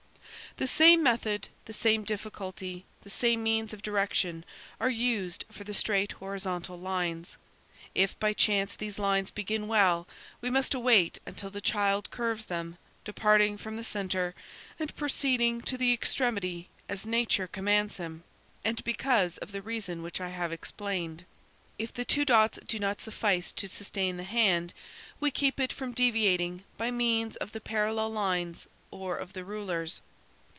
"The same method, the same difficulty, the same means of direction are used for the straight horizontal lines. If, by chance, these lines begin well, we must await until the child curves them, departing from the centre and proceeding to the extremity as nature commands him, and because of the reason which I have explained. If the two dots do not suffice to sustain the hand, we keep it from deviating by means of the parallel lines or of the rulers.